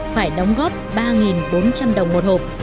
phải đóng góp ba bốn trăm linh đồng một hộp